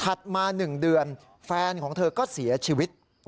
มา๑เดือนแฟนของเธอก็เสียชีวิต